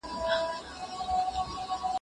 هغه به تل د خپلو زده کوونکو نظرونو ته غوږ نیوه.